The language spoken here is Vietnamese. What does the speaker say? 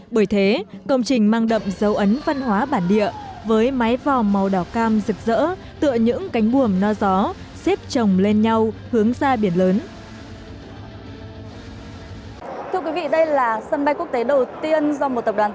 bởi thế công trình mang đậm dấu ấn văn hóa bản địa với mái vò màu đỏ cam rực rỡ tựa những cánh buồm no gió xếp trồng lên nhau hướng ra biển lớn